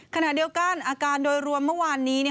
ขณะเดียวกันอาการโดยรวมเมื่อวานนี้